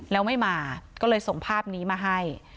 แล้วไม่มาก็เลยส่งภาพนี้มาให้